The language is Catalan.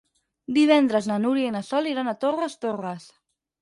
Divendres na Núria i na Sol iran a Torres Torres.